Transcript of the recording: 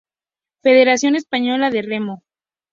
Federación Española de Remo